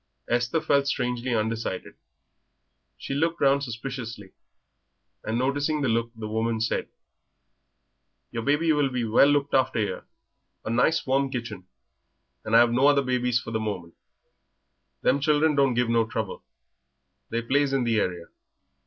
Esther felt strangely undecided. She looked round suspiciously, and noticing the look the woman said "Your baby will be well looked after 'ere; a nice warm kitchen, and I've no other babies for the moment; them children don't give no trouble, they plays in the area.